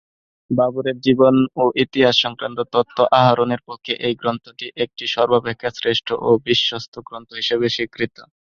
বাবরের জীবন ও ইতিহাস সংক্রান্ত তথ্য আহরণের পক্ষে এই গ্রন্থটি একটি সর্বাপেক্ষা শ্রেষ্ঠ ও বিশ্বস্ত গ্রন্থ হিসেবে স্বীকৃত।